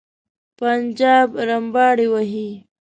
پنجاب رمباړې وهي.